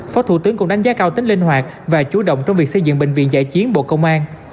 phó thủ tướng cũng đánh giá cao tính linh hoạt và chú động trong việc xây dựng bệnh viện giải chiến bộ công an